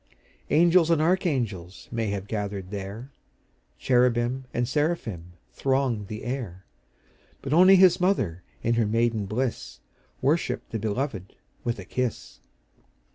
Angels and archangels May have gathered there, Cherubim and seraphim Thronged the air; But only His mother, In her maiden bliss, Worshipped the Beloved With a kiss.